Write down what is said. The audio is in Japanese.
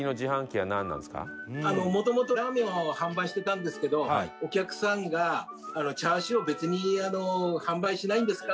「もともとラーメンを販売してたんですけどお客さんがチャーシューを別に販売しないんですか？